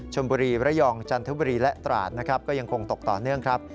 ชมบุรีระยองจันทบุรีและตราศนะครับ